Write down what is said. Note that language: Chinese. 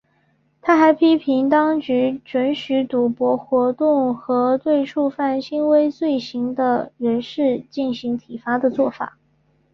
他还批评当局准许赌博活动和对触犯轻微罪行的人士施行体罚的作法。